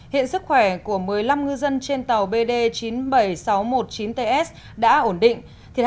hiện sức khỏe của một mươi năm ngư dân trên tàu bd chín mươi bảy nghìn sáu trăm một mươi chín ts đã ổn định